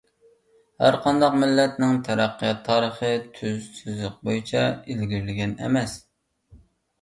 ھەرقانداق مىللەتنىڭ تەرەققىيات تارىخى تۈز سىزىق بويىچە ئىلگىرىلىگەن ئەمەس.